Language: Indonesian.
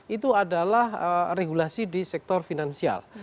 itu adalah regulasi di sektor finansial